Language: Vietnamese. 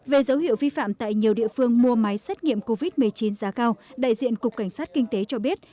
về dấu hiệu vi phạm tại nhiều địa phương mua máy xét nghiệm covid một mươi chín giá cao đại diện cục cảnh sát kinh tế cho biết